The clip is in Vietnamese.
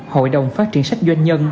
hội đồng phát triển sách doanh nhân